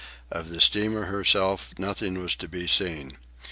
Of the steamer herself nothing was to be seen.